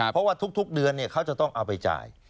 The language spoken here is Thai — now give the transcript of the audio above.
เพราะว่าทุกเดือนเขาจะต้องเอาไปจ่าย